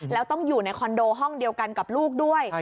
แล้วต้องอยู่ในคอนโดห้องเดียวกันกับลูกด้วย